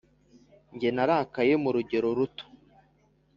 Jye narakaye mu rugero ruto